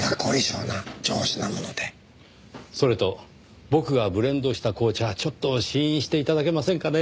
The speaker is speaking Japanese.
それと僕がブレンドした紅茶ちょっと試飲して頂けませんかね。